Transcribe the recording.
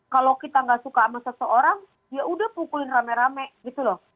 kalau kita gak suka sama seseorang ya udah pukulin rame rame gitu loh